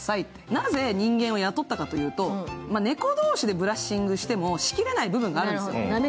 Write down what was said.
なぜ人間を雇ったかというと猫同士でブラッシングをやってもしきれない部分があるんですよ。